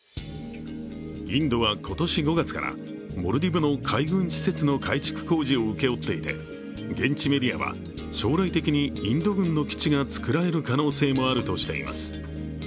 インドは今年５月からモルディブの海軍施設の改築工事を請け負っていて現地メディアは、将来的にインド軍の基地がつくられる可能性もあるとしています。